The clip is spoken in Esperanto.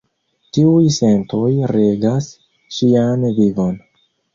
Tiuj sentoj regas ŝian vivon.